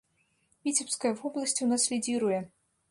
Віцебская вобласць у нас лідзіруе.